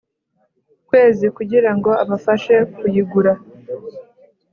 kwezi kugira ngo abafashe kuyigura